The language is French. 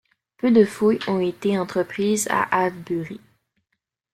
Peu de fouilles ont été entreprises à Avebury.